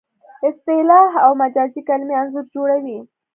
اصطلاح او مجازي کلمې انځور جوړوي